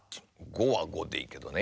「ご」は「ご」でいいけどね。